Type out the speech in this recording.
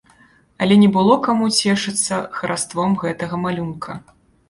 Але не было каму цешыцца хараством гэтага малюнка.